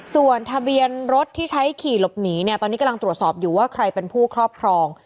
ส่วนทะเบียนรถที่ใช้ขี่หลบหนีเนี่ยตอนนี้กำลังตรวจสอบอยู่ว่าใครเป็นผู้ครอบครอง